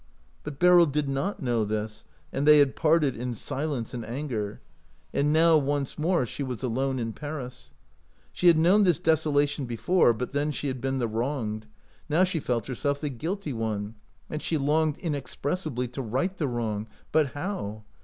But Beryl did not know this, and they had parted in silence and anger. And now, once more, she was alone in Paris. She had known this desolation before, but then she had been the wronged ; now she felt herself the guilty one, and she longed inexpressibly to right the wrong — but how?